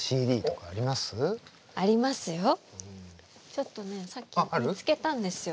ちょっとねさっき見つけたんですよ。